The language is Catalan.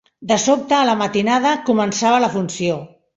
De sobte, a la matinada, començava la funció